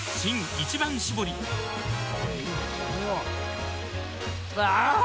「一番搾り」あぁー！